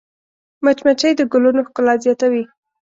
مچمچۍ د ګلونو ښکلا زیاتوي